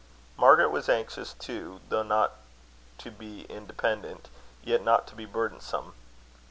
Margaret was anxious, too, though not to be independent, yet, not to be burdensome.